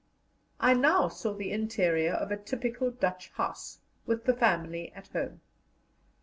I now saw the interior of a typical Dutch house, with the family at home.